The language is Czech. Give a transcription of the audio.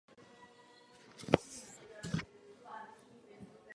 Jejich manažera hraje Moby.